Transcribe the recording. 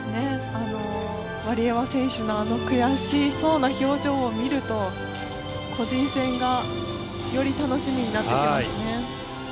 ワリエワ選手のあの悔しそうな表情を見ると個人戦がより楽しみになってきますね。